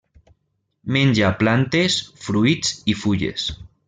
Menja plantes, fruits i fulles.